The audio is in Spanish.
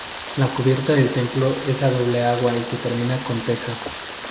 La cubierta del templo es a doble agua y se termina con teja.